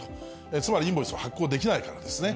つまりインボイスを発行できないからですね。